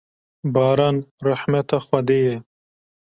Baran rehmeta Xwedê ye.